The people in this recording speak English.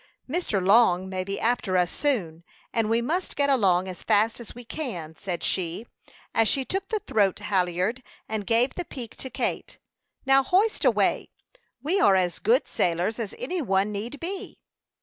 "Mr. Long may be after us soon, and we must get along as fast as we can," said she, as she took the throat halliard, and gave the peak to Kate. "Now, hoist away. We are as good sailors as any one need be."